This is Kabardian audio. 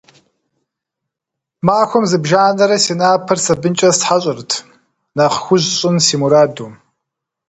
Махуэм зыбжанэрэ си напэр сабынкӀэ стхьэщӀырт, нэхъ хужь сщӀын си мураду.